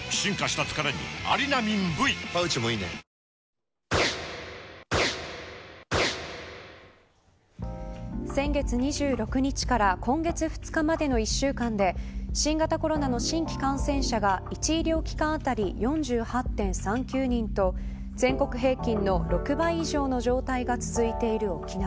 ニトリ先月２６日から今月２日までの１週間で新型コロナの新規感染者が１医療機関当たり４８．３９人と全国平均の６倍以上の状態が続いている沖縄。